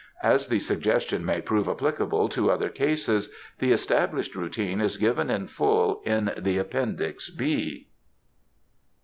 As the suggestion may prove applicable to other cases, the established routine is given in full in the Appendix (B.)